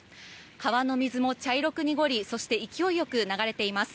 川の水も茶色く濁りそして勢いよく流れています。